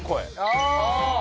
ああ！